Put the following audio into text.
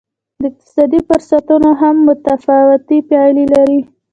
د اقتصادي فرصتونو هم متفاوتې پایلې لرلې.